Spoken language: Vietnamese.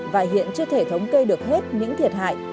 và hiện chưa thể thống kê được hết những thiệt hại